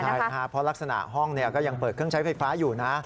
เพราะลักษณะห้องก็ยังเปิดเครื่องใช้ไฟฟ้าอยู่